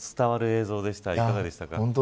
いかがでしたか。